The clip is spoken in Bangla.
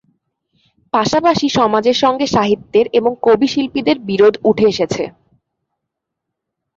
পাশাপাশি সমাজের সঙ্গে সাহিত্যের এবং কবি-শিল্পিদের বিরোধ উঠে এসেছে।